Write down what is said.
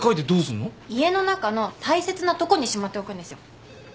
家の中の大切なとこにしまっておくんですよ。